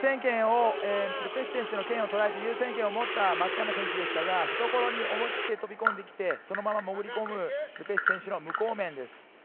優先権を持った松山選手でしたが、懐に思い切って飛び込んできて、そのまま潜り込むル・ペシュ選手の無効面です。